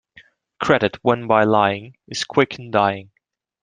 Credit won by lying is quick in dying.